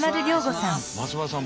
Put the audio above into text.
松丸さん